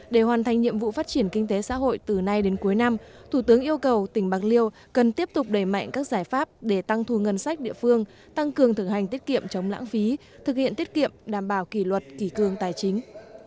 để hoàn thành nhiệm vụ phát triển kinh tế xã hội từ nay đến cuối năm thủ tướng yêu cầu tỉnh bạc liêu cần tiếp tục đẩy mạnh các giải pháp để tăng thu ngân sách địa phương tăng cường thực hành tiết kiệm chống lãng phí thực hiện tiết kiệm đảm bảo kỷ luật kỳ cương tài chính